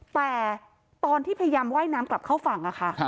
แต่ตอนที่พยายามว่ายน้ำกลับเข้าฝั่งค่ะ